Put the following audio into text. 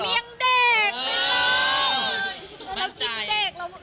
ไม่ต้องไม่ต้องสามียังเด็ก